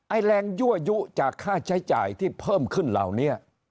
แรงยั่วยุจากค่าใช้จ่ายที่เพิ่มขึ้นเหล่านี้